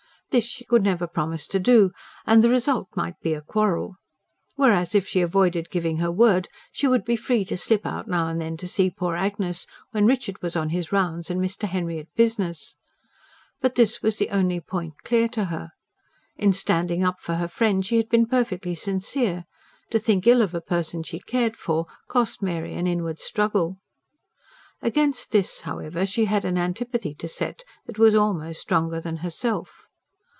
This, she could never promise to do; and the result might be a quarrel. Whereas if she avoided giving her word, she would be free to slip out now and then to see poor Agnes, when Richard was on his rounds and Mr. Henry at business. But this was the only point clear to her. In standing up for her friend she had been perfectly sincere: to think ill of a person she cared for, cost Mary an inward struggle. Against this, however, she had an antipathy to set that was almost stronger than herself.